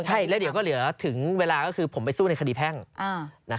ใช่แล้วเดี๋ยวก็เหลือถึงเวลาก็คือผมไปสู้ในคดีแพ่ง